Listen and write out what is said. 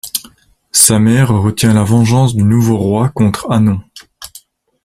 Sa mère retient la vengeance du nouveau roi contre Annon.